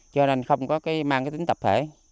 cho nên không mang tính tập thể